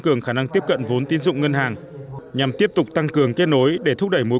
cường khả năng tiếp cận vốn tín dụng ngân hàng nhằm tiếp tục tăng cường kết nối để thúc đẩy mối